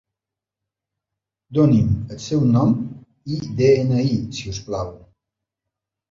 Doni'm el seu nom i de-ena-i si us plau.